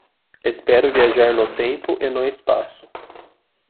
Espero viajar no tempo e no espaço